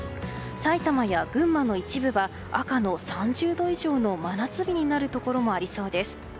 埼玉や群馬の一部は赤の３０度以上の真夏日になるところもありあそうです。